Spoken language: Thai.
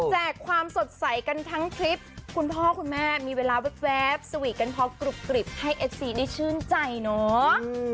ความสดใสกันทั้งคลิปคุณพ่อคุณแม่มีเวลาแว๊บสวีทกันพอกรุบกริบให้เอฟซีได้ชื่นใจเนาะ